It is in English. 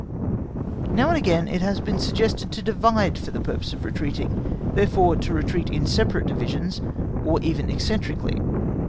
Now and again it has been suggested(*) to divide for the purpose of retreating, therefore to retreat in separate divisions or even eccentrically.